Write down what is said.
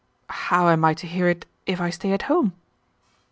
"How am I to hear it if I stay at home?"